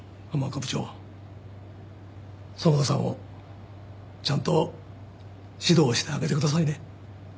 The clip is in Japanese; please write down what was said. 園田さんをちゃんと指導してあげてくださいね。